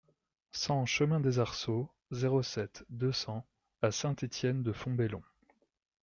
cent chemin des Arceaux, zéro sept, deux cents à Saint-Étienne-de-Fontbellon